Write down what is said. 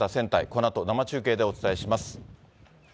このあと、生中継でお伝えします。